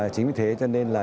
chính vì thế cho nên là